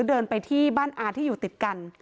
เดินไปที่บ้านอาที่อยู่ติดกัน